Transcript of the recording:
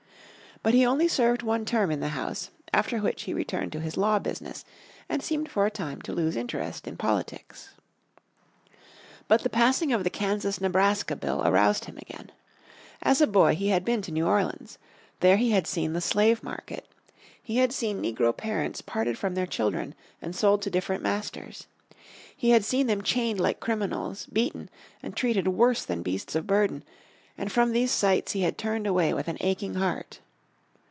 But he only served one term in the House, after which he returned to his law business and seemed for a time to lose interest in politics. But the passing of the Kansas Nebraska Bill aroused him again. As a boy he had been to New Orleans. There he had seen the slave market. He had seen negro parents parted from their children, and sold to different masters. He had seen them chained like criminals, beaten and treated worse than beasts of burden, and from these sights he had turned away with an aching heart.